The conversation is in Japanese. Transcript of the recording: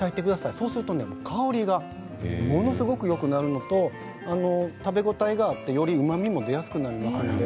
そうすると香りがものすごくよくなるのと食べ応えがあって、よりうまみも出やすくなります。